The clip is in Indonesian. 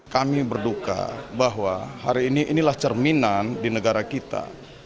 kami berduka bahwa hari ini inilah cerminan di negara kita